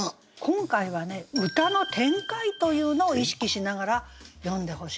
今回はね歌の展開というのを意識しながら詠んでほしいんですね。